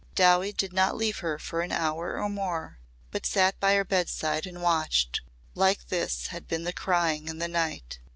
Dowie did not leave her for an hour or more but sat by her bedside and watched. Like this had been the crying in the night.